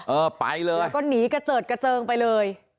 เออไปเลยแล้วก็หนีกระเจิดกระเจิงไปเลย